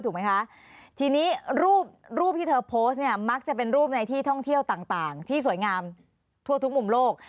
ถูกไหมคะทีนี้รูปรูปที่เธอโพสต์เนี่ยมักจะเป็นรูปในที่ท่องเที่ยวต่างที่สวยงามทั่วทุกมุมโลก